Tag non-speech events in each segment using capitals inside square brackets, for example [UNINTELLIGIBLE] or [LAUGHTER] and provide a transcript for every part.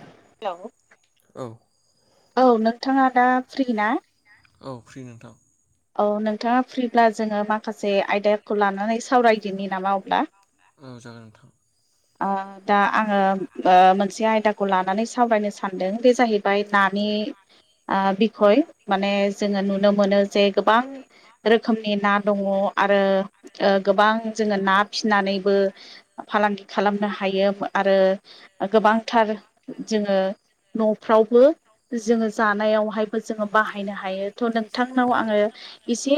Hello औ औ नोंथाङा दा फ्रि ना औ फ्रि नोंथां औ नोंथाङा फ्रिब्ला जोंङो माखासे आयदाखौ लानानै सावरायदिनि नामा अब्ला औ जागोन नोंथां दा आंङो मोनसे आयदाखौ लानानै सावरायनो सानदों बे जाहैबाय नानि नि ओ बिखय माने जोंङो नुनो मोनो जे गोबां रोखोमनि ना दङ आरो गोबां जोंङो ना फिसिनानैबो फालांगि खालामनो हायो आरो गोबांथार जोंङो नफ्रावबो जोंङो जानायावहायबो जोंङो बाहायनो हायो थ नोंथां नोंथांनाव औ आंङो एसे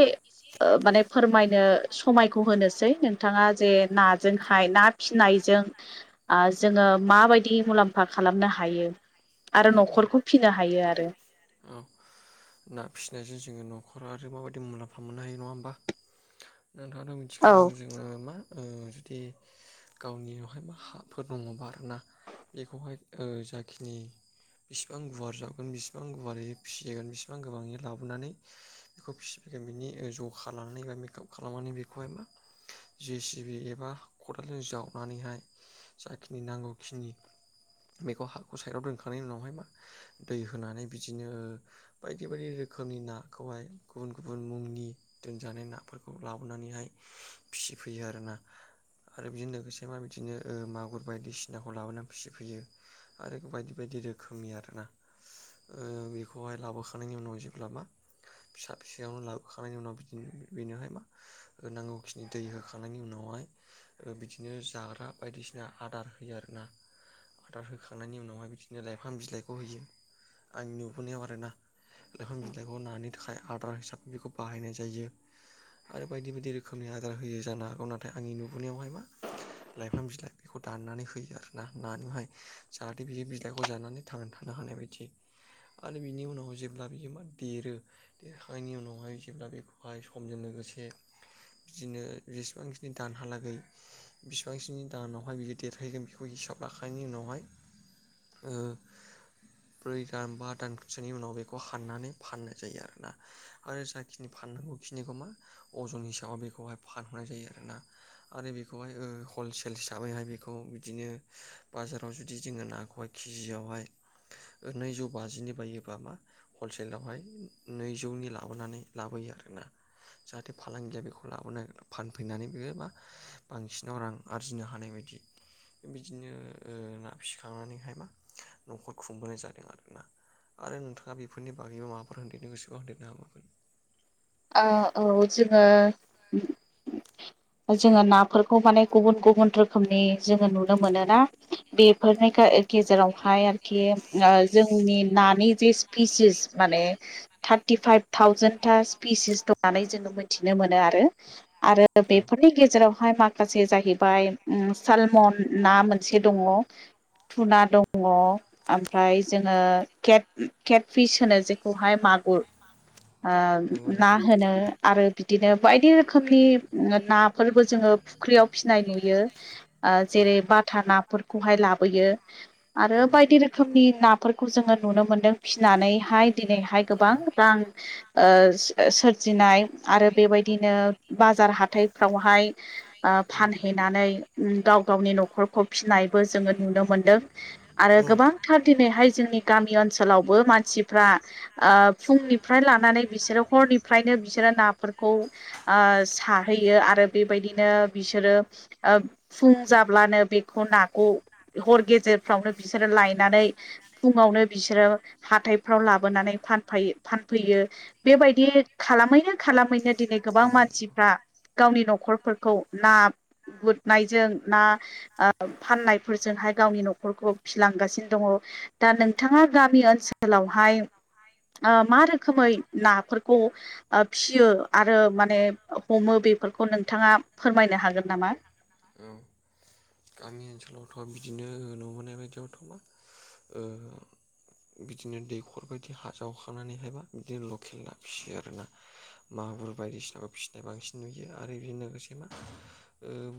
ओ माने फोरमायनो समायखौ होनोसै नोंथाङा जे नाजोंहाय ना फिसिनाय जों आ जोंङो माबायदि मुलाम्फा खालामनो हायो आरो औ नखरखौ फिनो हायो आरो औ नखरा ओ माबायदि मुलाम्फा मोननो हायो नङा होमबा नोंथाङाथ औ मिथिखागौ जोङो मा ओ जुदि गावनियावहाय मा हाफोर दङबा आरोना बेखौहाय ओ जाखिनि बेसिबां गुवार जावगोन बेसिबां गुवारै फिसिगोन बेसिबां गोबाङै लाबोनानै बेखौ फिसि जोंबिनि जखालानानै बा मेकाप खालामनानै बेखौहाय मा जे सि बि एबा खदालजों जावनानैहाय जाखिनि नांगौखिनि बेखौ हाखौ साइदाव दोनखांनायनि उनावहाय मा दै होनानै बिदिनो बायदि बायदि रो रोखोमनि नाखौहाय गुबुन गुबुन मुंनि दोनजानाय नाफोरखौ खौ लाबोनानैहाय फिसिफैयो आरोना आरो बिदिनो लोगोसे मा बिदिनो मागुर बायदिसिनाखौ लाबोनानै फिसिफैयो आरो बायदि बायदि बायदि रोखोमनि आरोना ओ बेखौहाय लाबोखांनि उनाव जेब्लाबा फिसा फिसायावनो लाबोखांनायनि उनाव बिदि बेनोहाय मा [INAUDIBLE] नांगौखिनि दै होखांनायनि उनावहाय बिदिनो जाग्रा बायदिसिना आदार होयो आरो ना [INAUDIBLE] आदार होखांनायनि उनावहाय बिदिनो लाइफां बिलाइखौ होयो आंनि नुबोनायाव आरोना लाइफां बिलाइखौ नानि थाखाय आदार हिसाबै बेखौ बाहायनाय जायो आरो बायदि बायदि रोखोमनि आदार होयो जानो हागौ नाथाय आंनि नुबोनायावहाय मा लाइफां बिलाइ बेखौ दाननानै होयो आरोना नानोहाय जाहाथे बि बिलाइखौ जानानै थां थाङो हानाय बादि आरो बिनि उनाव जेब्ला बियो मा देरो देरखांनायनि उनावहाय जेब्ला बेखौहाय समजों लोगोसे बे बिदिनो जेसेबांखिनि दानहालागै बिसिबांखिनि दानावहाय बिदि देरहैगोन बेखौ हिसाबै लाखानायनि उनावहाय ब्रै दान बा दानसोनि उनाव बेखौ हाननानै फाननाय जायो आरोना आरो जाखिनि फान नांगौ खिनिखौ मा अजन हिसाबै बेखौहाय फानहरनाय जायो आरोना आरो बेखौहाय हलसेल हिसाबैहाय बेखौ बिदिनो बाजाराव जुदि जोंङो नाखौहाय केजियावहाय नैजौ बाजिनि बायोबा मा हलसेलावहाय नैजौनि लाबोनानै लाबो आरोना जाहाथे फालांगिया बेखौ लाबोनो फानफैनानै बियो बा बांसिनाव रां आरजिनो हानाय बायदि बिदिनो ओ ना फिसिखांनानैहाय मा नखर खुंबोनाय जादों आरोना आरो नोंथाङा बेफोरनि बागैबो माबाफोर होनन्देरनो गोसोबा होनदेरनो हाबगोन आ औ जोङो जोङो नाफोरखौ माने गुबुन गुबुन रोखोमनि जोङो नुनो मोनोना बेफोरनिख गेजेरावहाय आरोखि जोंनि नानि जि पिसिस माने थार्टिफाइभ थावजेन थास नानै जोङो मिथिनो मोनो आरो आरो हाबावगोन औ बेफोरनि गेजेरावहाय माखासे जाहैबाय सालमन ना मोनसे दङ धुना दङ ओमफ्राय जोङो के केट फिस होनो जेखौहाय मा गुर नंगौ ना नंगौ होनो आरो बिदिनो बायदि रोखोमनि नाफोरबो जोङो फुख्रियाव फिसिनाय नुयो ओ औ जेरै बा था नाफोरखौहाय लाबोयो औ आरो बायदि रोखोमनि नाफोरखौ जोङो नुनो मोनदों होननानैहाय दिनैहाय गोबां रां ओ सोरजिनाय आरो बेबायदिनो बाजार हाथायफ्रावहाय फानहैनानै गाव गावनि न'खखौ फिनायबो जोङो नुनो मोनदों आरो औ गोबांथार दिनैहाय जोंनि गामि ओनसोलावबो मानसि मानसिफ्रा फुंनिफ्राय लानानै बिसोरो हरनिफ्रायनो बिसोरो नाफोरखौ साहैयो आरो बेबायदिनो बिसोरो फुं जाब्लानो बे नाखौ हर गेजेरफ्रावनो बिसोरो लायनानै फुङावनो बिसोरो हा [UNINTELLIGIBLE] लाोनानै फानफैयो बेबायदि खालामैनो खालामैनो दिनै गोबां नंगौ नंगौ मानसिफ्रा गावनि न'खरफोरखौ ना गुुरनायजों ना फाननायफोरजोंहाय गावनि न'खरखौ फिलांगासिनो दङ दा नोंथाङा गामि ओनसोलावहाय मा रोखोमै नाफोरखौ फियो आरो माने हमो बेफोरखौ नोंथाङा फोरमायनो हागोन नामा औ गामि सलाव थ' बिदिनो नुबोनाय बायदियावथ'बा बिदिनो दैखर बायदि हाजावखांनानैहायबा बिदिनो लकेल ना फिसियो आरोना म माबुर बायदिसिनाबखौ फिसिनाय बांसिन नुयो आरो बेजों लोगोसे मा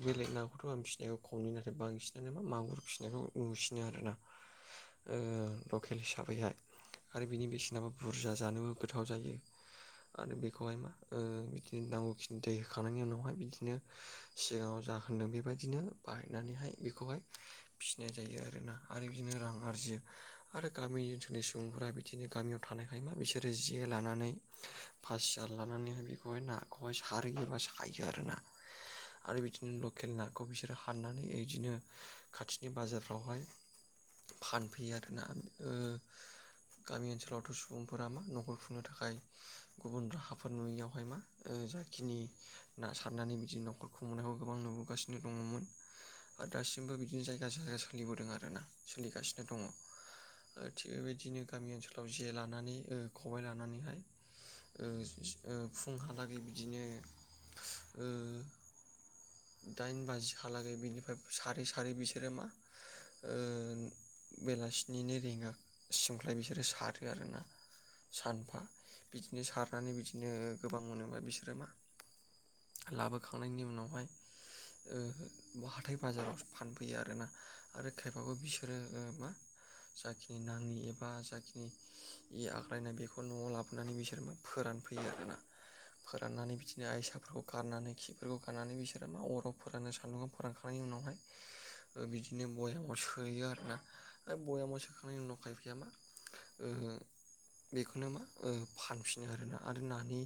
बेलेग नाखौथ' आं फिसिनायखौ खमनि नाथाय बांसिनानोामा मागुर फिसिनायखौ नुसिनो आर ना लकेल हिसाबैहाय आरो बिनि बेसेनाबो बुरजा जानोबो गोथाव जायो आरो बेखौहाय मा बिदिनो नांगौ खिनि दै होखांनायनि उनावहाय बिदिनो सिगाङाव जा होन होनदों बेबायदिनो बायनानैहाय बेखौहाय फिनाय जायो आरोना आरो बिदिनो रां आरजियो आरो गामि ओनसोलनि सुबुंफोरा बिदिनो गामियाव थानायखाय मा बिसोरो जे लानानै फसार लानानैहाय बेखौहाय नाखौहाय सारोयो एबा सायो आरोना [INAUDIBLE] आरो बिदिनो लकेल नाखौ बिसोरो हाननानै बिदिनो खाथिनि बाजारफ्रावहाय फानफैयो आरोना गामि ओनसोलावथ' सुबुंफोरा मा न'खर खुंनो थाखाय गुबुन राहाफोर नुयियावहाय मा जाखिनि ना सारनानै बिदिनो न'खर ख मोननायखौ गोबां नुबोगासिनो दङमोन आरो दासिमबो बिदिनो जायगाो जायगा सोलिबोदों आरोना सोलिगासिनो दङ थिग बेबायदिनो गामि ओनसोलाव जे लानानै खबायाइ लानानैहाय फुंहालागै बिदिनो दाइन बाजिहालागै बिनिफ्राय सारै सारै बिसोरो मा बेलासिनिनो रिंगा सिमख्लाय बिसोरो सारो आरोना सानफा बिदिनो सारनानै बिदिनो गोबां मोना बिसोरो मा लाबोखांनायनि उनावहाय हाथाय बाजाराव फानफैयो आरोना आरो खायफाबो बिसोरो मा जाखिनि नाङि एबा जाखिनि इ आग्लायनाय बेखौ न'आव लाबोनानै बिसोर फोरान फोरानफैयो आरोना फोराननानै बिदिनो आइसाफोरखौ गारनानै हो खि बेफोरखौ गाननानै बिसोरो मा अराव फोरानो सान्दुं फोरानखांनायनि उनावहाय बिदिनो बयामाव सोयो आरोना बयामाव सोखांनायनि उनाव खाइफाया मा ओ बेखौनो मा फानफिनो आरोना आरो नानि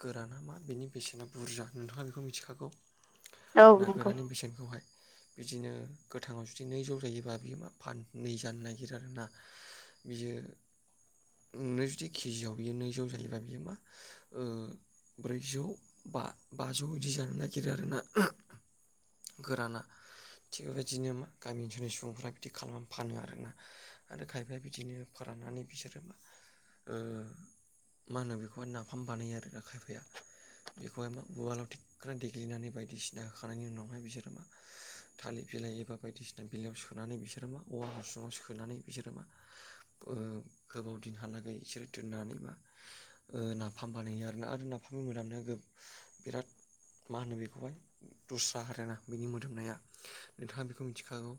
गोराना मा बेनि बेसेना बुरजा दा नोंथाङा बेखौ मिथिखागौ औ ना नंगौ गोराननि बेसेनखौहाय बिदिनो गोथाङाव जुदि नै जौ जायोबा बि मा फाननै जानो नागिरो आरोना बियो नोंनो जुदि केजियाव बियो नैजौ जायोबा बियो मा ब्रैजौ बा बाजौ बिदि जानो नागिरो आरोना गोराना थिग बेबायदिनो मा गामि ओनसोलनि सुबुंफ्रा बिदि खालामनानै फानो आरोना आरो खायफाया बिदिनो फाेरान लानानै बिसोरो मा मा होनो बेखौहाय नाफाम बानायो आरो खायफाया बेखौहाय मा उवालाव दे ग्रें देग्लिनानै बायदिसिना होखांनायनायनि उनावहाय बिसोर मा थालिर बिलाइ एबा बायदिसिना बिलाइयाव सो नानै बिसोर मा औवा हासुङाव सोनानै बिसोर मा गोबाव दिनहालागै इसोरो दोननानै बा नाफाम बानायो आरोना आरो नाफाम थ बिरादनो बिराद मा होनो बेखौहाय दस्रा आरोना बेनि मोदोमनाया नोंथाङा बेखौ मिथिखागौ।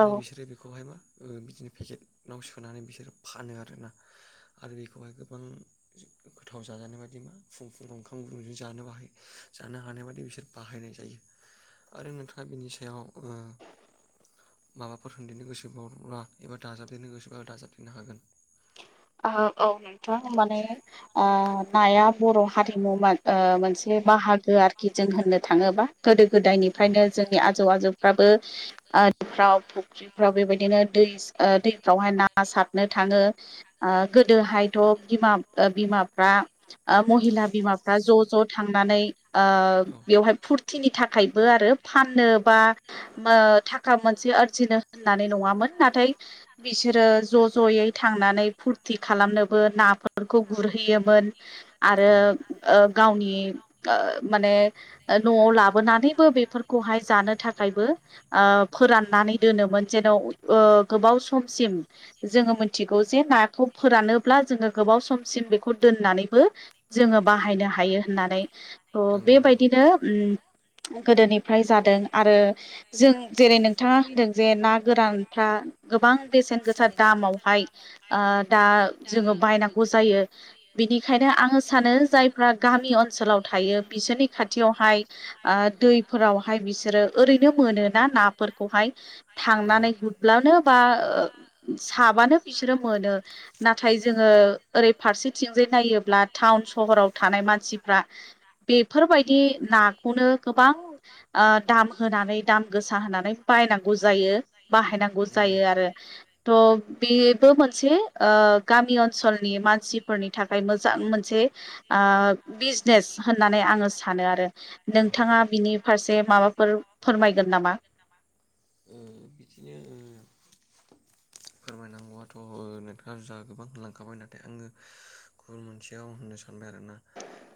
आरो औ बिसोरो बेखौहाय मा बिदिनो पेकेटाव सोनानै बिसोरो फानो आरोना आरो बेखौहाय गोबां गोथाव जाजानाय बायदि मा फुं फुंङाव ओंखाम गुदुंजों जानोबो बाहाय जानो हानाय बादि बिसोर बाहायनाय जायो आरो नोंथाङा बिनि सायाव ओ माबाफोर होनदेरनो गोसोबावब्ला एबा दाजाबदेरनो गोसोबा दाजाबदेरनो हागोन। औ नोंथां माने ओ नाया बर' हारिमु मा ओ मोनसे बाहागो आरोखि जों होननो थाङोबा गोदो औ गोदायनिफ्रायनो जोंनि आजौ आजौफ्राबो दैफ्राव फुख्रिफ्राव बेबायदिनो दै दैफ्रावहाय ना सारनो थाङो। गोदोहायथ' बिमा बिमाफ्रा महिला बिमाफ्रा ज ज थांनानै ओ औ बेवहाय फुरथिनि थाखायबो आरो फाननो बा ओ थाखा मोनसे आरजिनो होननानै नङामोन नाथाय बिसो रो ज' ज'यै थांनानै फुरथि खालामनोबो नाफोरखौ गुरहैयोमोन आरो औ ओ गावनि ओ माने न'आव लाबोनानैबो बे फोरहाय जानो थाखायबो ओ फोराननानै दोनोमोन जेन' गोबाव सम जोङो मिथिगौ जे ना खौ फोरानोब्ला जोङो गोबाव समसिम बेखौ दोननानैबो जोङो बाहायनो हायो होननानै। थ' नंगौ नंगौ बेबायदिनो गोदोनिफ्राय जादों आरो जों जेरै नोंथाङा होनदों जे ना गोरानफ्रा गोबां बेसेन गोसा दामावहाय ओ दा जोङो बायनांगौ जायो बिनिखायनो आङो सानो जायफ्रा गामि ओनसोलाव थायो बिसोरनि खाथियावहाय ओ दैफोरावहाय बिसोरो ओरैनो मोनो ना नाफोरखौ हाय नंगौ थांनानै गुरबलानो बा साबानो बिसोर ओ नाथाय जोङो ओरै फारसेथिंजाय नायोब्ला टाउन सहराव थानाय मानसिफ्रा बेफोरबायदि नाखौनो गोबां ओ दाम होनानै दाम गोसा होनानै बाय नौ जायो बाहायनांगौ नंगौ जायो आरो थ बे मोनसे ओ गामि ओनसोलनि मानसिफोरनि थाखाय मोजां मोनसे आ बिजनेस होननानै आङो सानो आरो औ नोंथाङा बिनि फारसे माबाफोर फोरमायगोन नामा? बिदिनो फोरमायनांगौआथ' ओ नोंथाङाहा गोबां लांखाबाय नाथाय आङो गुबुन मोनसेयाव होननो सानबाय आरोना?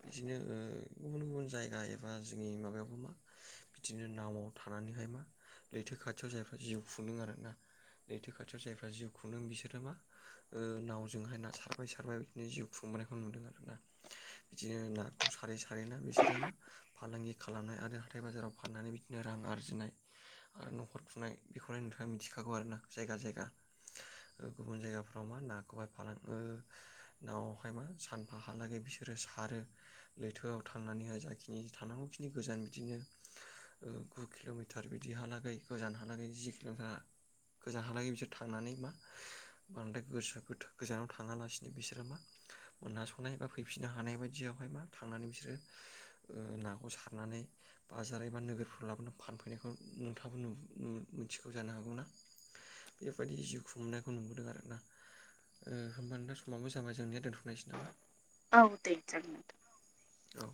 बिदिनो ओ गुबुन गुबुन जायगा एबा जोंनि माबायाव मा बिदिनो नावआव थानानै मा लैथो खाथियाव जायफ्रा जिउ खुदों आरोना लैथो खाथियाव जायफ्रा जिउ खुंदों बिसोरो मा ओ नावजोंहाय ना सारबाय सारबाय बिदिनो जिउ खुं नायखौ नुदों आरोना। बिदिनो नाखौ सारै सारै ना बिसोरो मा फालांगि खालामनो आरो हाथाय बाजाराव फाननानै बिदिनो रां आरो आरजिनाय आरो न'खर खुंनाय बेखौनो नोंथाङा मिथिखागौ आरो ना जायगा जायगा ओ गुबुन जायगाफ्राव मा नाखौहाय फालाङो नावावहाय मा सानफा हालागै बिसोरो आरो लैथोआव थांनानैहाय जाखिनि थानांगौखिनि गोजान बिदिनो ओ गु किल'मिटार बिदिहालागै गोजानहालागै जि जोंहा गोजान हालागै बिसोर थांनानै मा बांद्राय गोस गोजानाव थाङालासिनो बिसोरो मा मोना संनाय बा फैफिननो हानाय बायदि बिदियावहाय मा थांनानै बिसोरो ओ नाखौ सारनानै बाजार एबा नोगोरफोराव लाबोनानै फान लांफैनायखौ नोंथाङाबो मिथिगौ जानो हागौ ना? [INAUDIBLE] बेबायदि जिउ खुंनायखौ नुबोदों आरोना ओ होमबानो दा समावबो जाबाय जोंनिया दोन्थ'नायसै नामा? औ दे जागोन नोंथां। औ